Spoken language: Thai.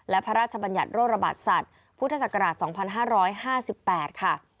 และพระราชบัญญัติโรคระบาดสัตว์พุทธศักราช๒๕๕๘ค่ะ